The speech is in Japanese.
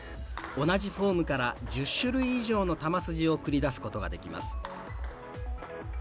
同じフォームから１０種類以上の球筋を繰り出すことができます。